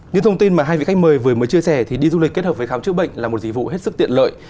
những thông tin mà hai vị khách mời vừa mới chia sẻ thì đi du lịch kết hợp với khám chữa bệnh là một dịch vụ hết sức tiện lợi